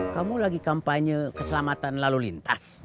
kamu lagi kampanye keselamatan lalu lintas